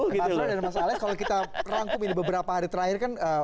masra dan mas alex kalau kita rangkumin beberapa hari terakhir kan